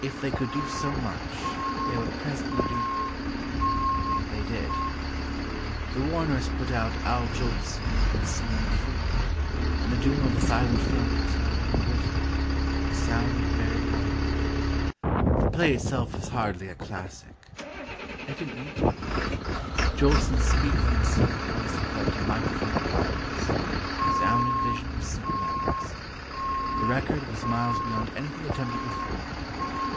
If they could do so much, they would presently do more. They did. The Warners put out Al Jolson in "The Singing Fool," and the doom of the silent film was not only written, but sounded very loud. The play itself was hardly a classic—it didn't need to be. Jolson's speaking and singing voice was up to microphone requirements—sound and vision were synchronized. The record was miles beyond anything attempted before.